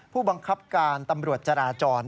ผู้บังคับการตำรวจจราจร